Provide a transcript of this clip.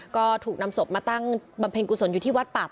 ก็ถูกนำศพมาตั้งบำเพ็ญกุศลอยู่ที่วัดปาก